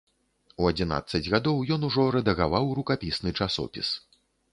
У адзінаццаць гадоў ён ужо рэдагаваў рукапісны часопіс.